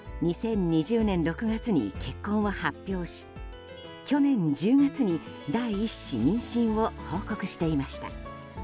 ２０２０年６月に結婚を発表し去年１０月に第１子妊娠を報告していました。